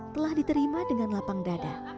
telah diterima dengan lapang dada